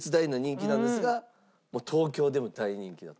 東京でも大人気だと。